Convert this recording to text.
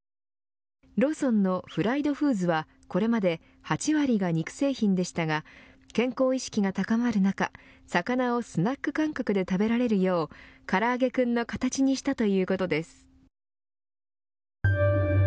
ローソンのフライドフーズはこれまで８割が肉製品でしたが健康意識が高まる中魚をスナック感覚で食べられるようからあげクンの形にしたということです。